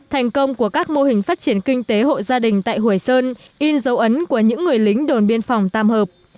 thành công của các mô hình phát triển kinh tế hộ gia đình tại hủy sơn in dấu ấn của những người lính đồn biên phòng tam hợp